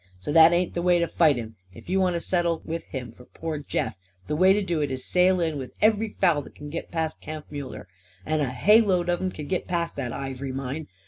So that ain't the way to fight him, if you want to settle with him for poor Jeff. The way to do is to sail in with every foul that can git past Kampfmuller. And a hay load of 'em c'n git past that ivory mine.